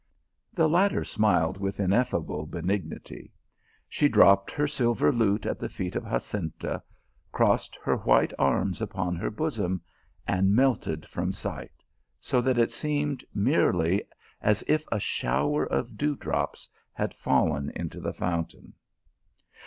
The latter smiled with ineffable benignity. She diopped her silver lute at the feet of Jacinta, crossed her white arms upon her bosom, and melted from sight, so that it seemed merely as if a shower of dewdrops had fallen into the fountain.